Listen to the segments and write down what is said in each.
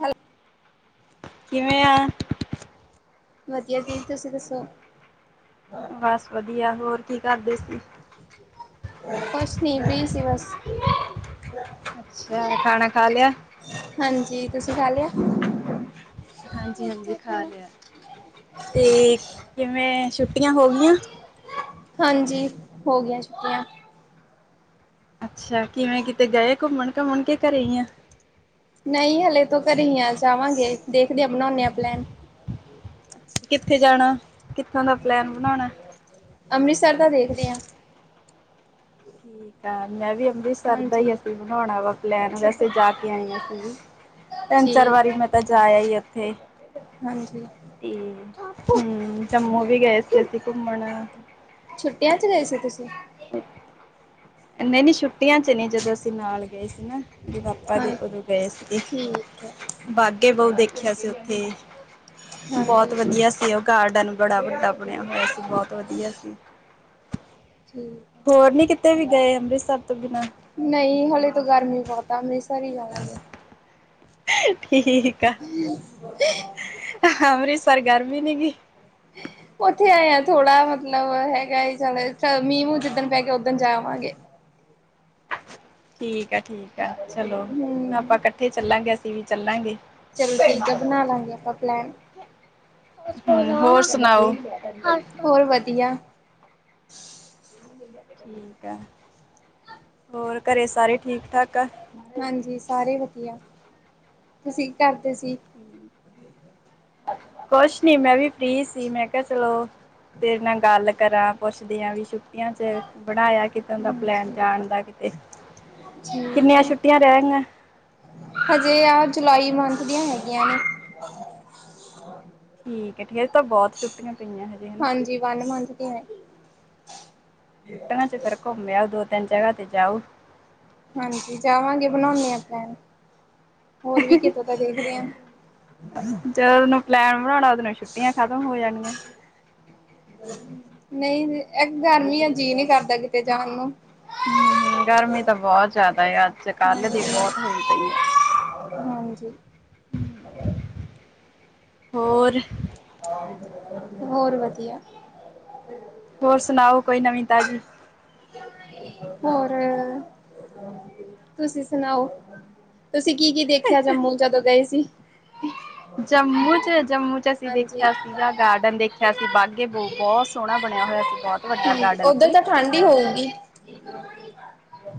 ਹੈਲ ਕਿਵੇਂ ਆ? ਵਧੀਆ ਜੀ, ਤੁਸੀਂ ਦੱਸੋ? ਬਸ ਵਧੀਆ। ਹੋਰ, ਕੀ ਕਰਦੇ ਸੀ? ਕੁੁਸ਼ ਨੀ, ਫ੍ਰੀ, ਸੀ, ਬਸ। ਅੱਛਾ, ਖਾਣਾ-ਖਾ ਲਿਆ? ਹਾਂਜੀ, ਤੁਸੀਂ ਖਾ ਲਿਆ? ਹਾਂਜੀ-ਹਾਂਜੀ, ਖਾ ਲਿਆ ਤੇ, ਕਿਵੇਂ ਛੁੱਟੀਆਂ ਹੋ ਗੀਆਂ? ਹਾਂਜੀ, ਹੋਗੀਆ ਛੁਟੀਆਂ। ਅੱਛਾ, ਕਿਵੇਂ ਕਿਤੇ ਗਏ ਘੁੰਮਣ ਘੁੰਮਣ ਕੇ ਘਰੇ ਹੀ ਆ? ਨਹੀਂ, ਹਲੇ ਤੋਂ ਘਰੇ ਹੀ ਆ ਜਾਵਾਂਗੇ, ਦੇਖਦੇ ਹਾਂ ਬਣਾਉਂਦੇ ਆਂ ਪਲੈਨ। ਕਿੱਥੇ ਜਾਣਾ ਕਿੱਦਾ ਦਾ ਪਲੈਨ ਬਣਾਉਣਾ? ਅੰਮ੍ਰਿਤਸਰ ਦਾ ਦੇਖਦੇ ਹਾਂ। ਠੀਕ ਆ ਮੈਂ ਵੀ ਅੰਮ੍ਰਿਤਸਰ। ਸਰ ਦਾ ਹਾਂਜੀ ਹੀ ਅਸੀਂ ਬਣਾਉਣਾ ਵਾ ਪਲੈਨ ਵੈਸੇ ਜਾ ਕੇ ਆਏ ਹਾਂ ਅਸੀਂ ਵੀ। ਤਿੰਨ ਚਾਰ ਠੀਕ ਵਾਰੀ, ਹੈ ਮੈਂ ਤਾਂ ਜਾ ਆਈ ਉੱਥੇ। ਹਾਂਜੀ ਹਾਂ ਜੀ। ਤੇ ਹਮ ਜੰਮੂ ਵੀ ਗਏ ਸੀ ਅਸੀਂ ਘੁੰਮਣ। ਛੁੱਟੀਆਂ ਚ ਗਏ ਸੀ ਤੁਸੀਂ? ਨਹੀਂ ਨਹੀਂ ਛੁੱਟੀਆਂ ਚ ਨਹੀ ਜਦੋਂ ਅਸੀਂ ਨਾਲ ਗਏ ਸੀ ਨਾ। ਵੀ ਪਾਪਾ ਦੇ ਹਾਂ ਉਦੋਂ ਗਏ ਸੀਗੇ ਠੀਕ ਹੈ ਬਾਗੇ ਬਹੁ ਦੇਖਿਆ ਸੀ ਉੱਥੇ। ਹਾਂਜੀ ਬਹੁਤ ਵਧੀਆ ਸੀ ਉਹ ਗਾਰਡਨ ਬੜਾ ਵੱਡਾ ਬਣਿਆ ਹੋਇਆ ਸੀ ਬਹੁਤ ਵਧੀਆ ਸੀ। ਠੀਕ। ਹੋਰ ਨੀ ਕਿਤੇ ਵੀ ਗਏ ਅੰਮ੍ਰਿਤਸਰ ਤੋਂ ਬਿਨਾਂ? ਨਹੀਂ, ਹਲੇ ਤੇ ਗਰਮੀ ਬਹੁਤ ਆ ਅੰਮ੍ਰਿਤਸਰ ਹੀ ਜਾਵਾਂਗੇ। ਠੀਕ ਆ, ਅੰਮ੍ਰਿਤਸਰ ਗਰਮੀ ਨੀ ਗੀ। ਉੱਥੇ ਆਏ ਆ ਥੋੜ੍ਹਾ ਮਤਲਬ ਹੈਗਾ ਚ ਮੀਂਹ ਮੂੰਹ ਜਿੱਦਣ ਪੈ ਗਿਆ ਉੱਦਣ ਜਾਵਾਂਗੇ। ਠੀਕ ਆ, ਠੀਕ ਆ, ਚਲੋ ਹਮ ਆਪਾਂ ਇਕੱਠੇ ਚੱਲਾਂਗੇ ਅਸੀਂ ਵੀ ਚੱਲਾਂਗੇ। ਚਲੋ ਠੀਕ ਹੈ ਬਣਾ ਲਾਂਗੇ ਆਪਾਂ ਪਲੈਨ। ਹਮ ਹੋਰ ਸੁਣਾਓ? ਹੋਰ ਵਧੀਆ। ਠੀਕ ਆ, ਹੋਰ ਘਰੇ ਸਾਰੇ ਠੀਕ ਠਾਕ ਆ? ਹਾਂਜੀ, ਸਾਰੇ ਵਧੀਆ ਤੁਸੀਂ ਕੀ ਕਰਦੇ ਸੀ? ਕੁਛ ਨੀ, ਮੈਂ ਵੀ ਫਰੀ ਸੀ ਮੈਂ ਕਿਹਾ ਚਲੋ। ਤੇਰੇ ਨਾਲ ਗੱਲ ਕਰਾਂ ਪੁੱਛਦੀਆਂ ਵੀ ਛੁੱਟੀਆਂ ਚ ਬਣਾਇਆ ਕੀ। ਕਿਦਣ ਦਾ ਪਲੈਨ ਹਾਂਜੀ ਜਾਣ ਦਾ ਕਿਤੇ ਠੀਕ ਕਿੰਨੀਆਂ ਹੈ ਛੁੱਟੀਆਂ ਰਹਿ ਗਈਆ? ਹਜੇ ਆ ਜੁਲਾਈ ਮੰਥ ਦੀਆਂ ਹੈਗੀਆਂ ਨੇ਼। ਠੀਕ ਆ ਫਿਰ ਤਾਂ ਬਹੁਤ ਛੁੱਟ ਪਈਆਂ ਹਜੇ। ਹਨਾ ਹਾਂਜੀ ਵਨ ਮੰਥ ਦੀਆਂ ਸੀ। ਛੁੱਟੀਆਂ ਚ ਫੇਰ ਘੁੰਮ ਆਉ ਦੋ ਤਿੰਨ ਜਗ੍ਹਾ ਤੇ ਜਾਊ। ਹਾਂਜੀ ਜਾਵਾਂਗੇ, ਬਣਾਉਂਦੇ ਹਾਂ ਪਲੈਨ। ਹੋਰ ਵੀ ਕਿਤੇੋਂ ਦਾ ਦੇਖਦੇ ਹਾਂ। ਜਦੋ ਨੂੰ ਪਲੈਨ ਬਣਾਉਣਾ ਓਦੋਂ ਨੂੰ ਛੁੱਟੀਆਂ ਖਤਮ ਹੋ ਜਾਣੀਆਂ। ਨਹੀਂ ਇੱਕ ਗਰਮੀ ਆ ਜੀਅ ਨਹੀਂ ਕਰਦਾ ਕਿਤੇ ਜਾਣ ਨੂੰ। ਹਮ ਹਮ ਗਰਮੀ ਤਾਂ ਬਹੁਤ ਜ਼ਿਆਦਾ ਆ ਅੱਜ ਕੱਲ ਦੀ ਹਾਂਜੀ ਬਹੁਤ ਹੋਈ ਪਈ ਆ। ਹਾਂਜੀ। ਹੋਰ? ਹੋਰ ਵਧੀਆ। ਹੋਰ ਸੁਣਾਓ ਕੋਈ ਨਵੀਂ ਤਾਜ਼ੀ। ਹੋਰ ਤੁਸੀਂ ਸੁਣਾਓ ਤੁਸੀਂ ਕੀ ਕੀ ਦੇਖਿਆ ਜੰਮੂ ਜਦੋਂ ਗਏ ਸੀ। ਜੰਮੂ ਚ ਜੰਮੂ ਚ ਅਸੀਂ ਹਾਂਜੀ ਦੇਖਿਆ ਸੀਗਾ ਗਾਰਡਨ ਦੇਖਿਆ ਸੀ ਬਾਗੇ ਬਹੂ ਬਹੁਤ ਸੋਹਣਾ ਬਣਿਆ ਹੋਇਆ ਸੀ। ਬਹੁਤ ਵੱਡਾ ਗਾਰਡਨ। ਓਧਰ ਸੀ ਤਾਂ ਠੰਢ ਹੀ ਹੋਊਗੀ।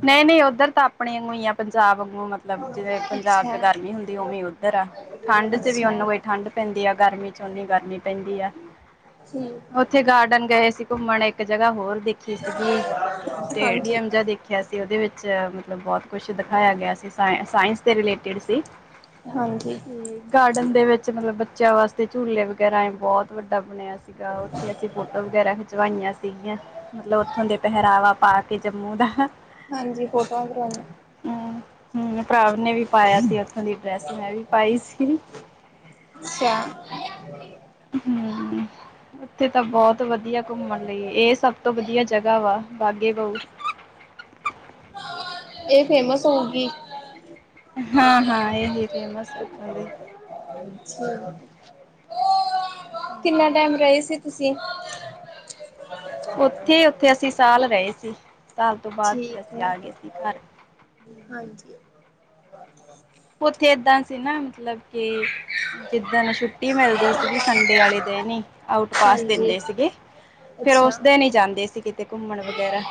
ਨਹੀਂ, ਨਹੀਂ ਉੱਧਰ ਤਾਂ ਆਪਣੇ ਵਾਂਗੂ ਹੀ ਆ। ਪੰਜਾਬ ਮਤਲਬ ਜਿਵੇਂ ਪੰਜਾਬ ਚ ਅੱਛਾ। ਗਰਮੀ ਹੁੰਦੀ ਉਵੇਂ ਉੱਧਰ ਆ ਠੰਡ ਚ ਵੀ ਅੱਛਾ ਉਹਨੂੰ ਉ। ਠੰਡ ਪੈਂਦੀ ਆ ਗਰਮੀ ਚ ਓਨੀ ਗਰਮੀ ਪੈਂਦੀ ਆ। ਠੀਕ ਹੈ ਉੱਥੇ ਗਾਰਡਨ ਗਏ ਸੀ ਘੁੰਮਣ ਇੱਕ ਜਗ੍ਹਾ ਹੋਰ ਦੇਖੀ ਸੀਗੀ। ਹਾਂਜੀ ਸਟੇਡੀਅਮ ਜਿਹਾ ਦੇਖਿਆ ਸੀ, ਉਹਦੇ ਵਿੱਚ ਮਤਲਬ ਬਹੁਤ। ਕੁਛ ਦਿਖਾਇਆ ਗਿਆ ਸੀ ਸਾਇ ਸਾਇੰਸ ਦੇ ਰਿਲੇਟਿਡ ਸੀ ਹਾਂਜੀ। ਹਮ ਗਾਰਡਨ ਦੇ ਵਿੱਚ। ਮਤਲਬ ਬੱਚਿਆਂ ਵਾਸਤੇ ਝੂਲੇ ਵਗੈਰਾ ਏ ਬਹੁਤ ਵੱਡਾ ਬਣਿਆ ਸੀ। ਸੀਗਾ ਉੱਥੇ ਅਸੀਂ ਫੋਟੋ ਵਗੈਰਾ ਖਿਚਵਾਈਆਂ ਸੀਗੀਆਂ ਮਤਲਬ ਉੱਥੋਂ ਦੇ ਪਹਿਰਾਵਾ ਪਾ ਕੇ ਕੀ ਜੰਮੂ ਦਾ ਹਾਂਜੀ ਫੋਟੋਆਂ ਕਰਾਉਣੀਆਂ। ਹੂੰ ਹੂੰ ਭਰਾਵ ਨੇ ਵੀ ਪਾਇਆ ਸੀ ਉੱਥੋਂ ਦੀ ਡਰੈਸ ਮੈਂ ਵੀ ਪਾਈ ਸੀ। ਅੱਛਾ। ਹੂੰ ਉੱਥੇ ਤਾਂ ਬਹੁਤ ਵਧੀਆ ਘੁੰਮਣ ਲਈ ਇਹ ਸਭ ਤੋਂ ਵਧੀਆ ਜਗ੍ਹਾ ਵਾ ਬਾਗੇ ਬਹੁਤ ਇਹ ਫੇਮਸ ਹੋਊਗੀ। ਹਾਂ ਹਾਂ ਇਹੀ ਫੇਮਸ ਇੱਥੋਂ ਦੀ। ਕਿੰਨਾ ਟਾਈਮ ਰਹੇ ਸੀ ਤੁਸੀਂ। ਉੱਥੇ, ਉੱਥੇ ਅਸੀਂ ਸਾਲ ਰਹੇ ਸੀ ਸਾਲ ਤੋਂ ਬਾਅਦ ਫਿਰ ਅਸੀਂ ਆ ਗਏ ਸੀ ਘਰ। ਹਾਂਜੀ। ਉੱਥੇ ਏਦਾਂ ਸੀ ਨਾ ਮਤਲਬ ਕਿ ਜਿੱਦਣ ਛੁੱਟੀ ਮਿਲਦੀ ਸੀਗੀ ਸੰਡੇ ਵਾਲੇ ਦਿ ਨ ਆਊਟ ਪਾਸ ਹਾਂਜੀ ਦਿੰਦੇ ਸੀਗੇ। ਫੇਰ ਅੱਛਾ। ਉਸ ਦਿਨ ਹੀ ਜਾਂਦੇ ਸੀ ਕਿਤੇ ਘੁੰਮਣ ਵਗੈਰਾ।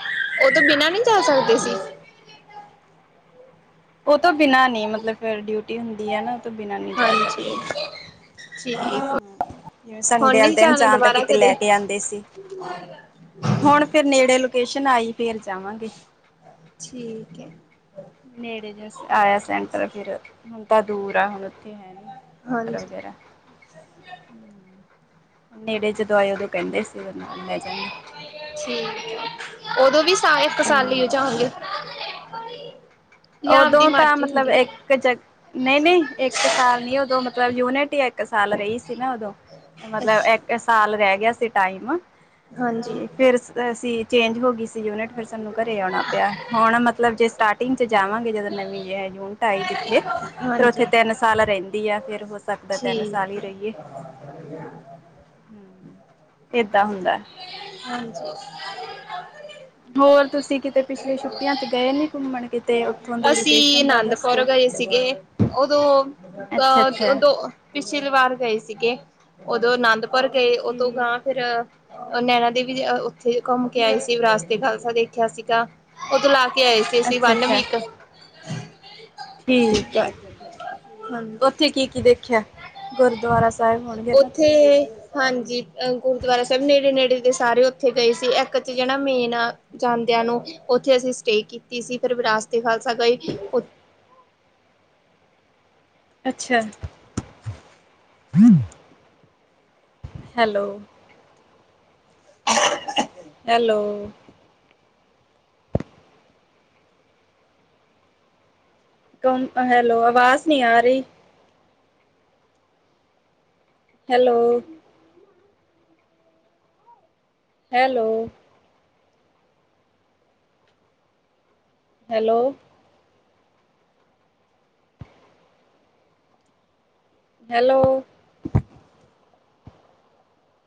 ਉਹ ਤੋਂ ਬਿਨਾਂ ਨਹੀਂ ਜਾ ਸਕਦੇ ਸੀ। ਉਹ ਤੋਂ ਬਿਨਾਂ ਨਹੀਂ ਮਤਲਬ ਫਿਰ ਡਿਊਟੀ ਹੁੰਦੀ ਹੈ ਨਾ ਉਹ ਤੋਂ ਬਿਨਾਂ ਨਹੀਂ ਜਾ ਸਕਦੇ। ਹਾਂਜੀ ਠੀਕ। ਹੂੰ ਜਿਵੇ ਹੁਣ ਸੰਡੇ ਵਾਲੇ ਨੀ ਦਿਨ ਜਾਣਾ ਜਾਂ ਤਾਂ ਦੁਬਾਰਾ ਕਿਤੇ ਕਦੇ ਲੈ ਕੇ ਆਉਂਦੇ ਸੀ। ਹੁਣ ਫੇਰ ਨੇੜੇ ਲੋਕੇਸ਼ਨ ਆਈ ਫੇਰ ਜਾਵਾਂਗੇ। ਠੀਕ ਹੈ। ਨੇੜੇ ਜੇ ਆਇਆ ਸੈਂਟਰ ਫਿਰ ਹੁਣ ਤਾਂ ਦੂਰ ਆ ਹੁਣ ਉੱਥੇ ਹੈ ਨੀ। ਵਟਰ ਹਾਂਜੀ ਵਗੈਰਾ ਨੇੜੇ ਜਦੋਂ ਆਏ ਉਦੋਂ ਕਹਿੰਦੇ ਸੀ ਉਹ ਨਾਲ ਲੈ ਜਾਗੇ। ਠੀਕ ਏ ਉਦੋਂ ਵੀ ਸਾਏ ਕਸਾਲੀ ਹੂੰ। ਉਦੋਂ ਤਾਂ ਮਤਲਬ ਇੱਕ ਨਹੀਂ ਨਹੀਂ ਇੱਕ ਸਾਲ ਨੀ ਉਦੋਂ ਮਤਲਬ ਯੂਨਿਟ ਹੀ ਇੱਕ ਸਾਲ ਰਹੀ ਸੀ ਨਾ ਉਦੋਂ ਮਤਲਬ ਅੱਛਾ ਇੱਕ ਸਾਲ ਰਹਿ ਗਿਆ ਸੀ ਟਾਈਮ ਹਾਂਜੀ ਤੇ ਫਿਰ ਅਸੀ ਚੇਂਜ ਹੋ ਗਈ ਸੀ। ਯੂਨਿਟ ਫਿਰ ਸਾਨੂੰ ਘਰੇ ਆਣਾ ਪਿਆ ਹੁਣ ਮਤਲਬ ਜੇ ਸਟਾਰਟਿੰਗ ਚ ਜਾਵਾਂਗੇ ਜਦੋਂ ਨਵੀ ਯੂਨਿਟ ਆਈ ਜਿੱਥੇ ਫਿਰ ਉੱਥੇ ਹਾਂਜੀ ਤਿੰਨ ਸਾਲ ਰਹਿੰਦੀ ਆ ਫਿਰ ਸਕਦਾ ਤਿੰਨ ਸਾਲ ਠੀਕ ਹੀ ਰਹੀਏ। ਹੈ ਹੂੰ, ਏਦਾਂ ਹੁੰਦਾ। ਹਾਂਜੀ। ਹੋਰ ਤੁਸੀਂ ਕਿਤੇ ਪਿਛਲੀ ਛੁੱਟੀਆਂ ਚ ਗਏ ਨੀ ਘੁੰਮਣ ਕਿਤੇ ਉੱਥੋਂ ਦੀ ਅਸੀਂ ਲੋਕੇਸ਼ਨ ਦਾ ਦੱਸ ਅਨੰਦਪੁਰ ਦੋ ਗਏ ਸੀਗੇ। ਉਹਦੋਂ ਅੱਛਾ ਅ ਅੱਛਾ ਦੋ ਪਿਛਲੀ ਵਾਰ ਗਏ ਸੀਗੇ ਉਦੋਂ ਅਨੰਦਪੁਰ ਗਏ ਉਦੋਂ ਠੀਕ ਗਾਂ ਫਿਰ ਉਹ ਨੈਣਾ ਦੇਵੀ ਉੱਥੇ ਘੁੰਮ ਕੇ ਆਏ ਸੀ ਵਿਰਾਸਤੇ ਖਾਲਸਾ ਦੇਖਿਆ ਸੀਗਾ। ਉਦੋਂ ਲਾ ਕੇ ਆਏ ਸੀ ਅਸੀਂ ਅੱਛਾ ਵੰਨ ਅੱਛਾ ਵੀਕ। ਠੀਕ ਆ ਹਾਂਜੀ ਉੱਥੇ ਕੀ- ਕੀ ਦੇਖਿਆ। ਗੁਰਦੁਆਰਾ ਸ ਉੱਥੇ ਹਾਂਜੀ ਅ ਗੁਰਦੁਆਰਾ ਸਾਹਿਬ ਨੇੜੇ -ਨੇੜੇ ਤੇ ਸਾਰੇ ਉੱਥੇ ਗਏ ਸੀ ਇੱਕ 'ਚ ਜਿਹੜ ਮੇਨ ਜਾਂਦਿਆਂ ਨੂੰ ਉੱਥੇ ਅਸੀਂ ਸਟੇਅ ਕੀਤੀ ਸੀ ਫਿਰ ਵਿਰਾਸਤੇ ਖਾਲਸਾ ਗਏ। ਅੱਛਾ। ਹੈਲੋ, ਹੈਲੋ ਹੈਲੋ ਆਵਾਜ਼ ਨਹੀਂ ਆ ਰਹੀ। ਹੈਲੋ। ਹੈਲੋ। Hello hello